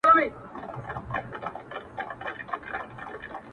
ما ناولونه ، ما كيسې ،ما فلسفې لوستي دي.